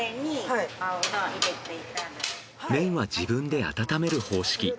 麺は自分で温める方式。